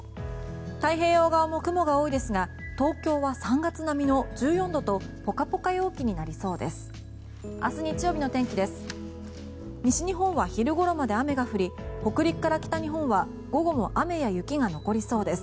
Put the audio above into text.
太平洋側も雲が多いですが東京は３月並みの１４度とポカポカ陽気になりそうです。